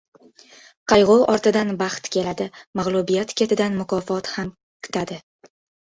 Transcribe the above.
• Qayg‘u ortidan baxt keladi, mag‘lubiyat ketidan mukofot ham kutadi.